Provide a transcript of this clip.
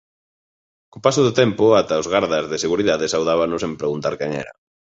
Co paso do tempo ata os gardas de seguridade saudábano sen preguntar quen era.